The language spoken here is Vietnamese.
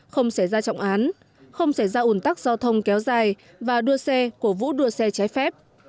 không xảy ra trọng án không xảy ra ủn tắc giao thông kéo dài và đua xe cổ vũ đua xe trái phép